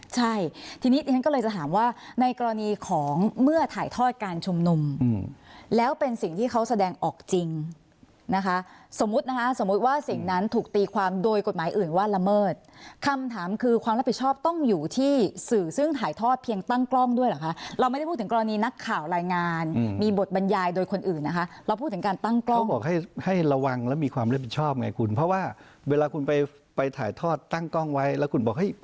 ใช่ทีนี้ฉันก็เลยจะถามว่าในกรณีของเมื่อถ่ายทอดการชมนุมแล้วเป็นสิ่งที่เขาแสดงออกจริงนะคะสมมุตินะคะสมมุติว่าสิ่งนั้นถูกตีความโดยกฎหมายอื่นว่าระเมิดคำถามคือความรับผิดชอบต้องอยู่ที่สื่อซึ่งถ่ายทอดเพียงตั้งกล้องด้วยหรอคะเราไม่ได้พูดถึงกรณีนักข่าวรายงานมีบทบรรยายโดยคนอื่นนะคะเราพู